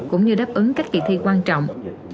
cũng như đáp ứng các kỳ thi quan trọng